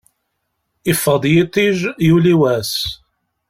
Yeffeɣ-d yiṭij, yuli wass.